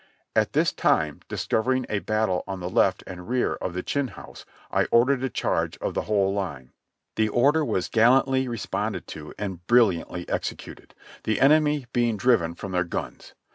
At this time discovering a battery on the left and rear of the Chinn House, I ordered a charge of the whole line. The order was gallantly responded to and brilliantly executed, the enemy being driven from their guns.